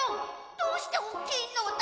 どうしておっきいのだ？